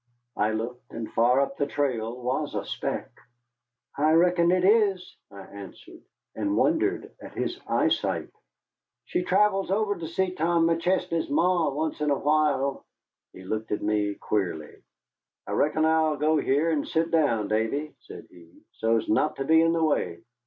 I looked, and far up the trail was a speck. "I reckon it is," I answered, and wondered at his eyesight. "She travels over to see Tom McChesney's Ma once in a while." He looked at me queerly. "I reckon I'll go here and sit down, Davy," said he, "so's not to be in the way."